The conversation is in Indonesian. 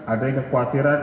ada yang kekhawatiran